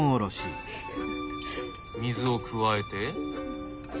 水を加えて？